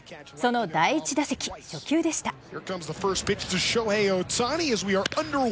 その第１打席、初球でした。